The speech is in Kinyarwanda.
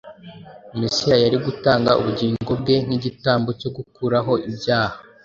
Mesiya yari gutanga ubugingo bwe nk’ “Igitambo cyo gukuraho ibyaha.”